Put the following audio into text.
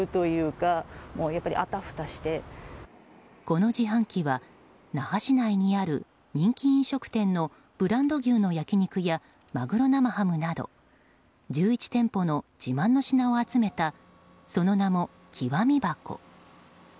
この自販機は那覇市内にある人気飲食店のブランド牛の焼き肉やまぐろ生ハムなど１１店舗の自慢の品を集めたその名も極箱。